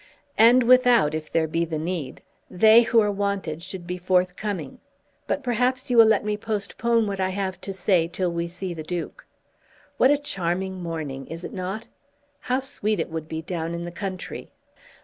"And without, if there be the need. They who are wanted should be forthcoming. But perhaps you will let me postpone what I have to say till we see the Duke. What a charming morning; is it not? How sweet it would be down in the country."